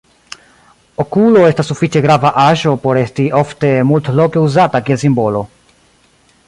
Okulo estas sufiĉe grava aĵo, por esti ofte multloke uzata kiel simbolo.